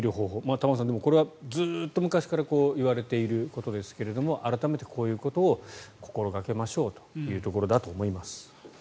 玉川さん、これはずっと昔からいわれていることですけれども改めてこういうことを心掛けましょうというところだと思います。